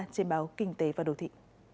trên báo kinh tế và đồ thị